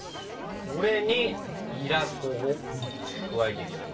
これにいら粉を加えていく。